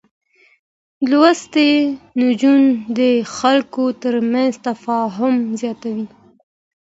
لوستې نجونې د خلکو ترمنځ تفاهم زياتوي.